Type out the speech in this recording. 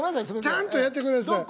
ちゃんとやってください。